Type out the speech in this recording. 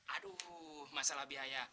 aduh masalah biaya